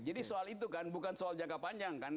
jadi soal itu kan bukan soal jangka panjang kan